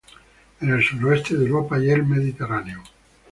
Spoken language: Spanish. En el suroeste de Europa y el Mediterráneo.